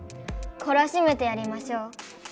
こらしめてやりましょう。